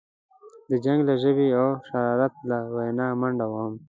د جنګ له ژبې او شرارت له وینا منډه وهم.